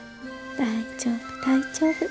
大丈夫大丈夫。